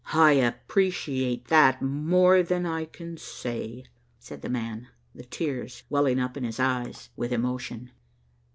"I appreciate that more than I can say," said the man, the tears welling up into his eyes with emotion.